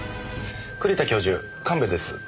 栗田教授神戸です。